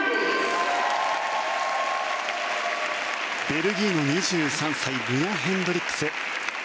ベルギーの２３歳ルナ・ヘンドリックス。